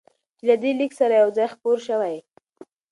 چې له دې لیک سره یو ځای خپور شوی،